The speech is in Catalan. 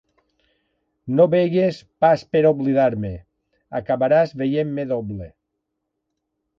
No begues pas per oblidar-me: acabaràs veient-me doble.